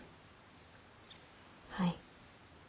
はい。